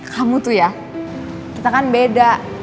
kamu tuh ya kita kan beda